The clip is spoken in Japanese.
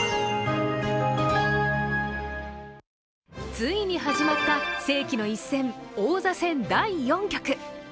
ついに始まった世紀の一戦、王座戦第４局。